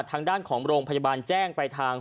ทางด้านของโรงพยาบาลแจ้งไปทาง